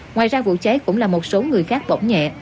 ngoài ra vụ cháy cũng là một số người khác bỏng nhẹ